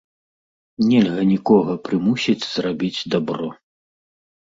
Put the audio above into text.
Нельга нікога прымусіць зрабіць дабро.